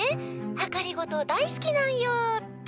「はかりごと大好きなんよ」って。